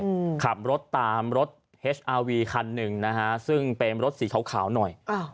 อืมขับรถตามรถเฮสอาวีคันหนึ่งนะฮะซึ่งเป็นรถสีขาวขาวหน่อยอ่า